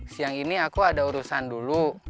siang ini aku ada urusan dulu